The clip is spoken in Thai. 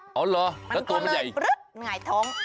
อ๋อเหรอแล้วตัวมันใหญ่อีกมันก็เลยหน่ายท้อง